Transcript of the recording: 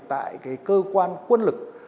tại cái cơ quan quân lực